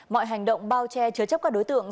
mọi hành động bao che chứa chấp các đối tượng